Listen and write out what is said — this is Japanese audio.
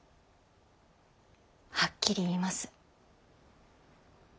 はっきり言います。